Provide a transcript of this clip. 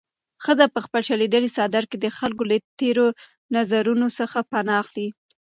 ښځه په خپل شلېدلي څادر کې د خلکو له تېرو نظرونو څخه پناه اخلي.